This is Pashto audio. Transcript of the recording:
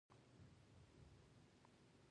غاښ مې لا نه و لوېدلى.